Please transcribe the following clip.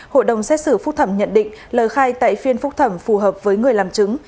hội đồng xét xử phúc thẩm nhận định lời khai tại phiên phúc thẩm phù hợp với người làm chứng